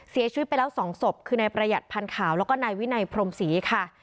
เสียชีวิตไปแล้ว๒ศพคือนายประหยัดพันธ์ขาวแล้วก็นายวินัยพรมศรีค่ะ